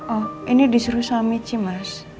oh ini disuruh suami ci mas